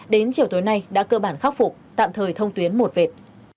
đến chiều tối nay đã cơ bản khắc phục tạm thời thông tuyến một vệt